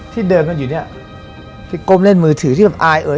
ที่เดินกันอยู่เนี่ยที่ก้มเล่นมือถือที่มันอายเอ่ย